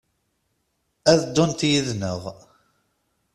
A ddunt yid-neɣ?